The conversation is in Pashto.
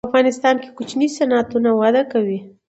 په افغانستان کې کوچني صنعتونه وده کوي.